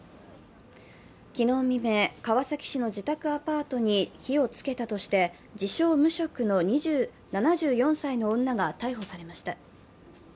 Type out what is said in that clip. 昨日未明、川崎市の自宅アパートに火をつけたとして、自称・無職の７４歳の女が逮捕されました。